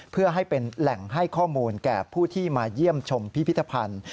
เพื่อให้เป็นแหล่งให้ข้อมูลแก่ผู้ที่มาเยี่ยมชมพิพิธภัณฑ์